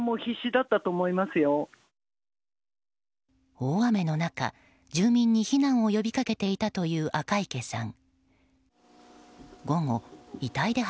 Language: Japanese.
大雨の中、住民に避難を呼びかけていたという赤池さん。